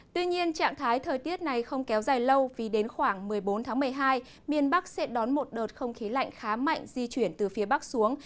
tuy nhiên trạng thái thời tiết này không kéo dài lâu vì đến khoảng một mươi bốn tháng một mươi hai miền bắc sẽ đón một đợt không khí lạnh khá mạnh di chuyển từ phía bắc xuống